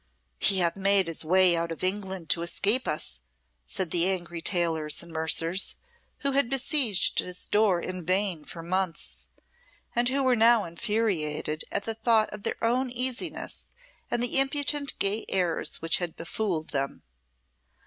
"He hath made his way out of England to escape us," said the angry tailors and mercers who had besieged his door in vain for months, and who were now infuriated at the thought of their own easiness and the impudent gay airs which had befooled them.